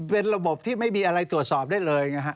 เป็นระบบที่ไม่มีอะไรตรวจสอบได้เลยนะฮะ